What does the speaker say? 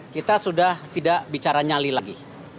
kita sudah tidak bicara nyali lagi